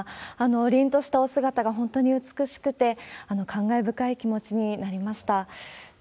凛としたお姿が本当に美しくて、感慨深い気持ちになりました。